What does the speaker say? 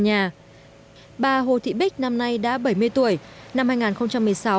nhà bà hồ thị bích năm nay đã bảy mươi tuổi năm hai nghìn một mươi sáu